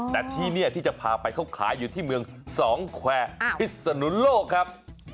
แต่ที่นี่ที่จะพาไปเขาขายอยู่ที่เมืองสองแควร์พิศนุโลกครับ